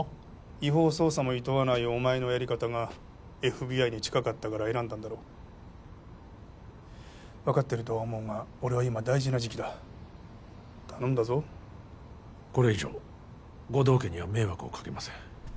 違法捜査もいとわないお前のやり方がＦＢＩに近かったから選んだんだろう分かってるとは思うが俺は今大事な時期だ頼んだぞこれ以上護道家には迷惑をかけません